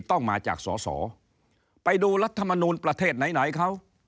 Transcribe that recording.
ต้องมาจากสอสอไปดูรัฐมนูลประเทศไหนไหนเขา